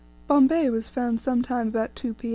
Bombay was found some time about 2 P.